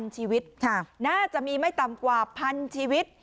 ชีวิตน่าจะมีไม่ต่ำกว่าพันชีวิต